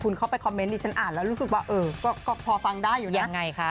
คุณเข้าไปคอมเมนต์ดิฉันอ่านแล้วรู้สึกว่าเออก็พอฟังได้อยู่แล้วยังไงคะ